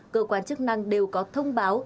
cơ quan chức năng đều có thông báo